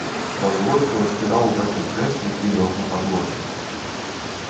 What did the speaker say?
Са злосцю раскідаў у бакі крэслы і лёг на падлозе.